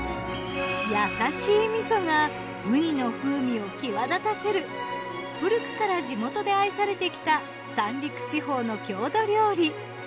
優しい味噌がウニの風味を際立たせる古くから地元で愛されてきた三陸地方の郷土料理。